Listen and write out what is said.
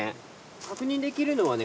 確認できるのはね